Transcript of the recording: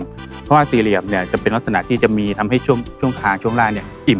เพราะว่าสี่เหลี่ยมเนี่ยจะเป็นลักษณะที่จะมีทำให้ช่วงคางช่วงล่างเนี่ยอิ่ม